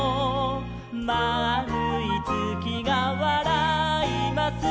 「まあるいつきがわらいます」